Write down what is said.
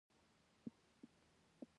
• ښه ملګری د ژوند تر ټولو ښه ملګری دی.